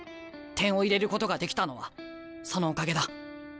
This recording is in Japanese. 点を入れることができたのはそのおかげだ。